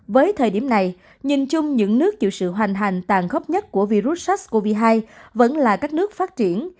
với thời điểm này nhìn chung những nước chịu sự hoành hành tàn khốc nhất của virus sars cov hai vẫn là các nước phát triển